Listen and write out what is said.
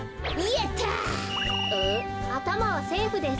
あたまはセーフです。